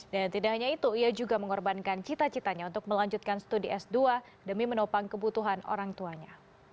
dan tidak hanya itu ia juga mengorbankan cita citanya untuk melanjutkan studi s dua demi menopang kebutuhan orang tuanya